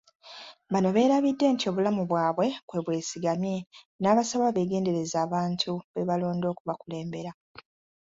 Bano beerabidde nti obulamu bwabwe kwe bwesigamye n'abasaba beegendereze abantu be balonda okubakulembera.